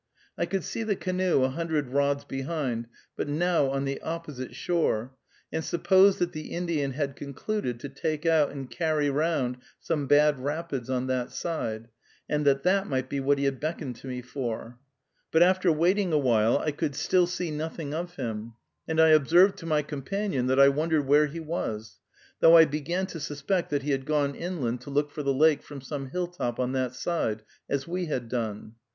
I could see the canoe a hundred rods behind, but now on the opposite shore, and supposed that the Indian had concluded to take out and carry round some bad rapids on that side, and that that might be what he had beckoned to me for; but after waiting a while I could still see nothing of him, and I observed to my companion that I wondered where he was, though I began to suspect that he had gone inland to look for the lake from some hilltop on that side, as we had done.